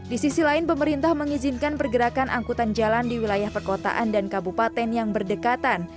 di sisi lain pemerintah mengizinkan pergerakan angkutan jalan di wilayah perkotaan dan kabupaten yang berdekatan